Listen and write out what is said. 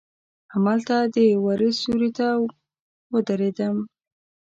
هملته د وره سیوري ته ودریدم.